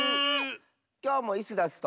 きょうもイスダスと。